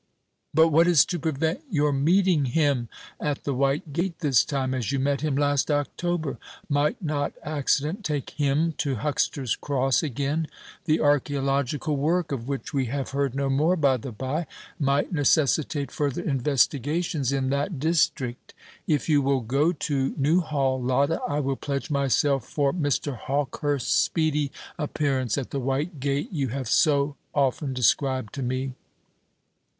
"But what is to prevent your meeting him at the white gate this time, as you met him last October? Might not accident take him to Huxter's Cross again? The archæological work of which we have heard no more, by the bye might necessitate further investigations in that district. If you will go to Newhall, Lotta, I will pledge myself for Mr. Hawkehurst's speedy appearance at the white gate you have so often described to me."